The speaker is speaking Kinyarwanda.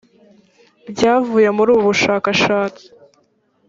byavuye muri ubu bushakashatsi